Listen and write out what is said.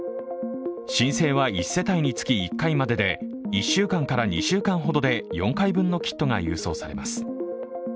申請は１世帯につき１回までで、１週間から２週間ほどで４回分のキットが郵送されます。